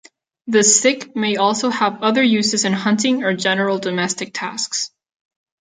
The stick may also have other uses in hunting or general domestic tasks.